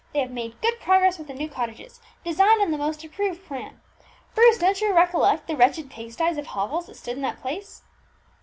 They have made good progress with the new cottages, designed on the most approved plan. Bruce, don't you recollect the wretched pig sties of hovels that stood in that place?"